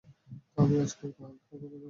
আমি আজকে একটু হালকা খাবার খাব।